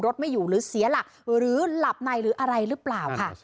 ไม่อยู่หรือเสียหลักหรือหลับในหรืออะไรหรือเปล่าค่ะ